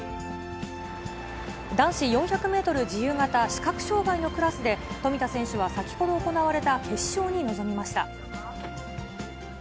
男子４００メートル自由形、視覚障がいのクラスで、富田選手は先ほど行われた決勝に臨みました。